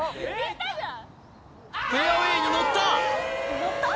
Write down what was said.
フェアウェイに乗った！